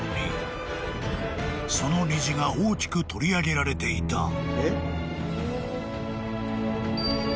［その虹が大きく取り上げられていた］